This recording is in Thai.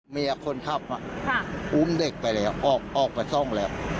เมียคนขับอุ้มเด็กไปแล้วออกไปซ่อมแล้ว